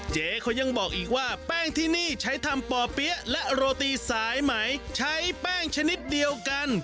เจ๊เขายังบอกอีกว่าแป้งที่นี่ใช้ทำป่อเปี๊ยะและโรตีสายไหมใช้แป้งชนิดเดียวกัน